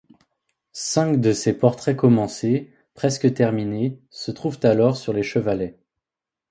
Cinq de ses portraits commencés, presque terminés, se trouvent alors sur les chevalets.